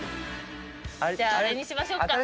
じゃああれにしましょうか。